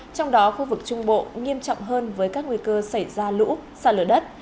trong đó khu vực trung bộ nghiêm trọng hơn với các nguy cơ xảy ra lũ xa lở đất